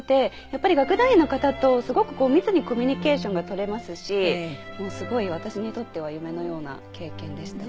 やっぱり楽団員の方とすごく密にコミュニケーションが取れますしもうすごい私にとっては夢のような経験でした。